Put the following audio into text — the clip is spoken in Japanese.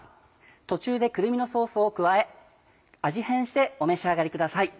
途中でくるみのソースを加え味変してお召し上がりください。